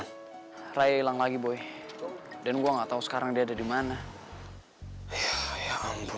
saya sangat menghatikan kau